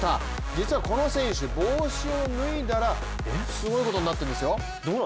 実はこの選手、帽子を脱いだらすごいことになってるんですよ。